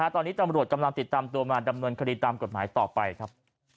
ตอนนี้ตำรวจกำลังติดตามตัวมาดำเนินคดีตามกฎหมายต่อไปครับ